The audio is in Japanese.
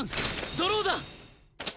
ドローだ！